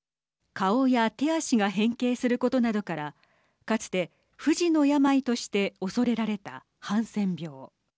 顔や手足が変形することなどからかつて不治の病として恐れられたハンセン病。